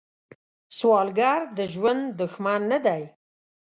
سوالګر د ژوند دښمن نه دی